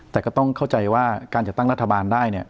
แต่ก็ต้องเข้าใจว่าการจัดตั้งรัฐบาลได้เนี่ย